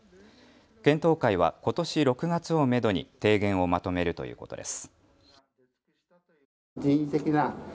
検討会はことし６月をめどに提言をまとめるということです。